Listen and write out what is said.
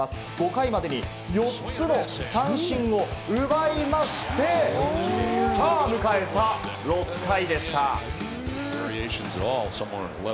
５回までに４つの三振を奪いまして、迎えた６回でした。